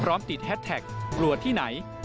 พร้อมติดแฮดแท็กรัวที่ไหน